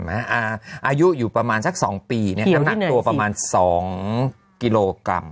อายุอยู่ประมาณ๒ปีนิดหนึ่งบ่าง๒กิโลกรัม